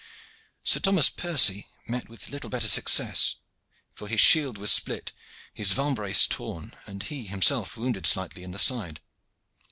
Sir Thomas Percy met with little better success, for his shield was split, his vambrace torn and he himself wounded slightly in the side.